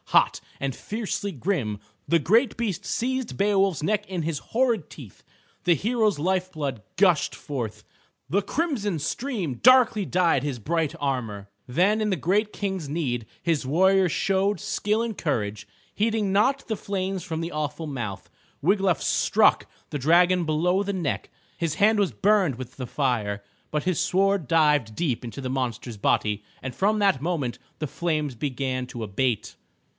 Hot, and fiercely grim the great beast seized Beowulf's neck in his horrid teeth. The hero's life blood gushed forth, the crimson stream darkly dyed his bright armor. Then in the great King's need his warrior showed skill and courage. Heeding not the flames from the awful mouth, Wiglaf struck the dragon below the neck. His hand was burned with the fire, but his sword dived deep into the monster's body and from that moment the flames began to abate.